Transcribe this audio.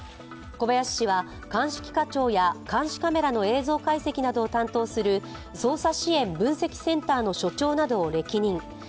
小林氏は鑑識課長や監視カメラの映像解析などを担当する捜査支援分析センターの所長などを歴任。